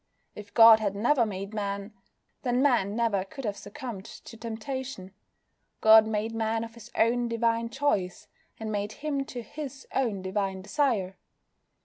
If God had never made Man, then Man never could have succumbed to temptation. God made Man of His own divine choice, and made him to His own divine desire.